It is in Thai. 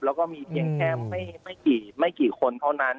แล้วก็มีเพียงแค่ไม่กี่คนเท่านั้น